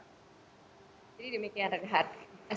jadi demikian renhar